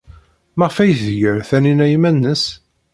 Maɣef ay tger Taninna iman-nnes?